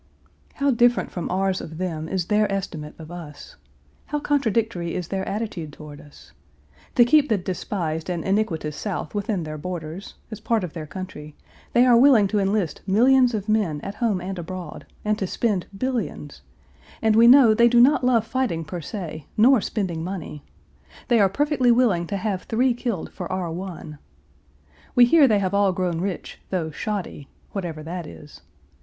How different from ours of them is their estimate of us. How contradictory is their attitude toward us. To keep the despised and iniquitous South within their borders, as part of their country, they are willing to enlist millions of men at home and abroad, and to spend billions, and we know Page 379 they do not love fighting per se, nor spending money. They are perfectly willing to have three killed for our one. We hear they have all grown rich, through "shoddy," whatever that is.